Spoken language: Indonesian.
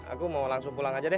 aku mau langsung pulang aja deh